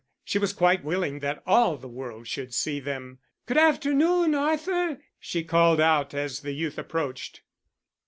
She was quite willing that all the world should see them. "Good afternoon, Arthur!" she called out, as the youth approached.